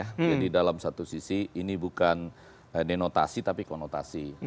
jadi dalam satu sisi ini bukan denotasi tapi konotasi